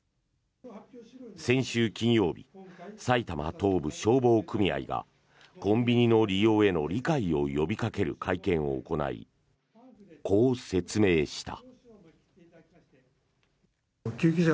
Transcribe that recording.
先週金曜日、埼玉東部消防組合がコンビニの利用への理解を呼びかける会見を行いこう説明した。